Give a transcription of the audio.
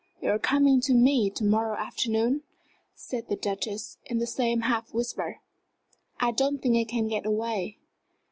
"You're coming to me to morrow afternoon?" said the Duchess, in the same half whisper. "I don't think I can get away."